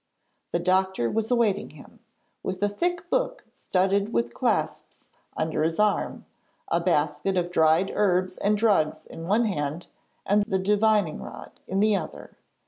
The doctor was awaiting him, with a thick book studded with clasps under his arm, a basket of dried herbs and drugs in one hand, and the divining rod in the other.